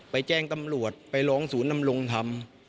แจ้งตำรวจไปร้องศูนย์นำรงธรรม